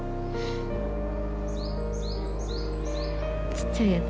ちっちゃいやつ？